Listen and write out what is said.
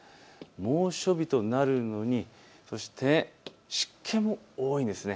猛暑日となるうえに湿気も多いんです。